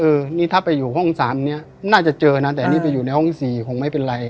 นี่ถ้าไปอยู่ห้อง๓เนี่ยน่าจะเจอนะแต่อันนี้ไปอยู่ในห้องที่๔คงไม่เป็นไร